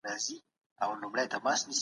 کوم نسبت د هغه د نظریو هواروي کولو سره دی؟